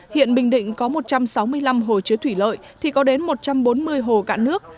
hiện bình định có một trăm sáu mươi năm hồ chứa thủy lợi thì có đến một trăm bốn mươi hồ cạn nước